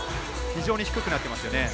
非常に低くなっていますよね。